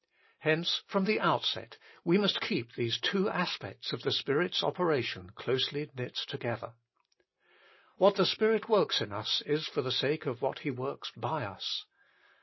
Hence from the outset we must keep these two aspects of the Spirit s operation closely knit together. What the Spirit works in us is for the sake of what He works by us.